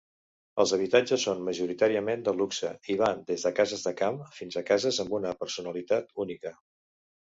Els habitatges són majoritàriament de luxe, i van des de cases de camp fins a cases amb una personalitat única.